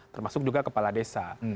termasuk juga kepala desa